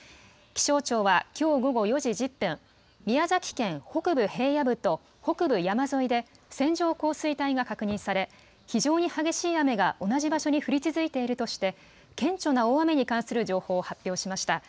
気象庁はきょう午後４時１０分、宮崎県北部平野部と北部山沿いで線状降水帯が確認され非常に激しい雨が同じ場所に降り続いているとして顕著な大雨に関する情報を発表しました。